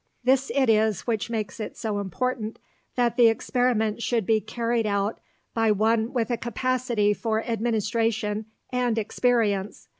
This it is which makes it so important that the experiment should be carried out by one with a capacity for administration and experience.